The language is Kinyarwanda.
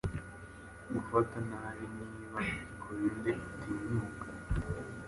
Gufata nabiniba Grendel utinyuka